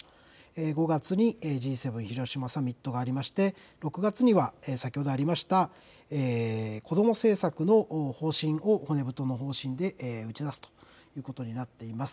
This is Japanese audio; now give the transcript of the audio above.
５月にＧ７広島サミットがありまして、６月には先ほどありました、子ども政策の方針を、骨太の方針で打ち出すということになっています。